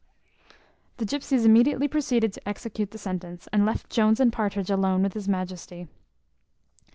The gypsies immediately proceeded to execute the sentence, and left Jones and Partridge alone with his majesty.